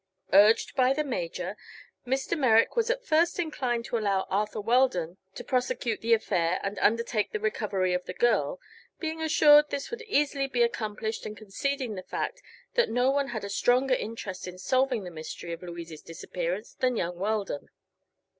Urged by the Major, Mr. Merrick was at first inclined to allow Arthur Weldon to prosecute the affair and undertake the recovery of the girl, being assured this would easily be accomplished and conceding the fact that no one had a stronger interest in solving the mystery of Louise's disappearance than young Weldon.